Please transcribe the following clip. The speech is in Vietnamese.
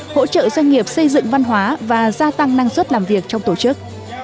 hỗ trợ doanh nghiệp xây dựng văn hóa và gia tăng năng suất làm việc trong tổ chức